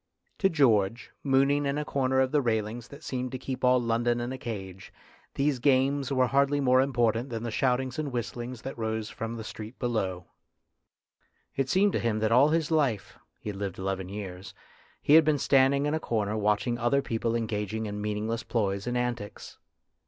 To George, mooning in a corner of the railings that seemed to keep all London in a cage, these games were hardly more im 245 246 FATE AND THE ARTIST portant than the shoutings and whistlings that rose from the street below. It seemed to him that all his life he had lived eleven years he had been standing in a corner watching other people engaging in meaningless ploys and antics.